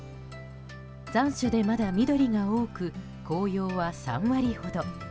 残暑でまだ緑が多く紅葉は３割ほど。